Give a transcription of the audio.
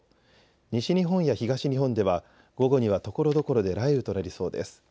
西日本や東日本では午後にはところどころで雷雨となりそうです。